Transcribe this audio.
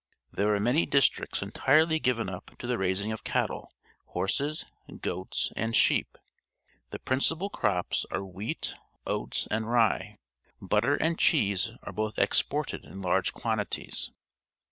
There are many districts entirely given up to the raising of cattle, horses, goats, and sheep. The princi pal crops are wheat, oats, and rye. But ter and cheese are both exported in large quantities.